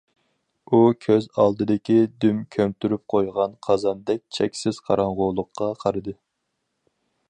ئۇ كۆز ئالدىدىكى دۈم كۆمتۈرۈپ قويغان قازاندەك چەكسىز قاراڭغۇلۇققا قارىدى.